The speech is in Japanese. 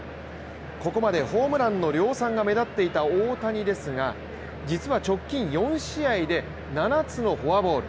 ここまでホームランの量産が目立っていた大谷ですが実は直近４試合で７つのフォアボール。